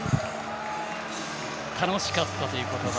楽しかったという言葉。